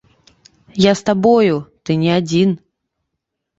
Я з табою, ты не адзін.